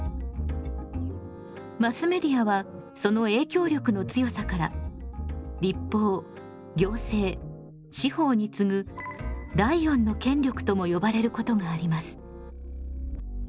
マスメディアはその影響力の強さから立法行政司法につぐ第四の権力とも呼ばれることがあります。